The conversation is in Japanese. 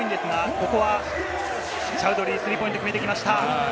ここはチャウドリー、スリーポイントを決めてきました。